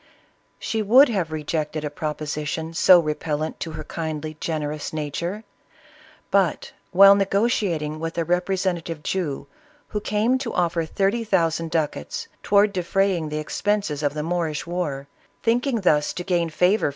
She would have rejected a proposition so re pellant to her kindly, generous nature; but, while negotiating with a representative Jew, who came to offer thirty thousand ducats, towards defraying the ex penses of the Moorish war, thinking thus to gain favor ISABELLA OF CASTILE.